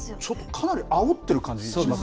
かなりあおってる感じしません？